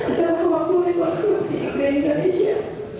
adalah kewakilan konspirasi di indonesia